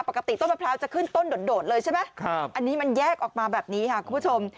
ต้นมะพร้าวจะขึ้นต้นโดดเลยใช่ไหมอันนี้มันแยกออกมาแบบนี้ค่ะคุณผู้ชม